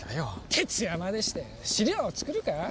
徹夜までして資料を作るか？